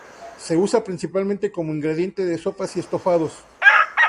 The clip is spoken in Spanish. Se usa principalmente como ingrediente de sopas y estofados.